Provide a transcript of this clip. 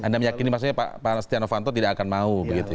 anda meyakini maksudnya pak stiano fanto tidak akan mau begitu ya